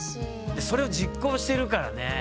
でそれを実行しているからね。